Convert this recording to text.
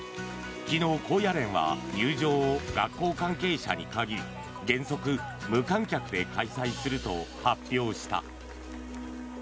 昨日、高野連は入場を学校関係者に限り原則無観客で開催すると発表した。